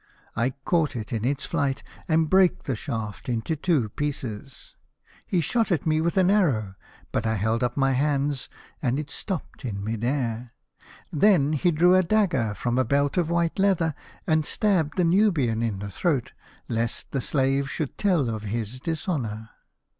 I caught it in its flight, and brake the shaft into two pieces. He shot at me with an arrow, but I held up my hands and it stopped in mid air. Then he drew' a dagger from a belt of white leather, and stabbed the Nubian in the throat lest the slave should tell of his dishonour.